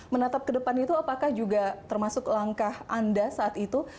menatap ke depan itu apakah juga termasuk langkah anda saat itu